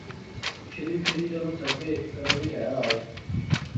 پھری پھری جذوں تھکے تے مُڑی کہرا آئے